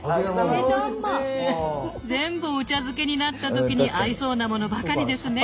全部お茶漬けになった時に合いそうなものばかりですね。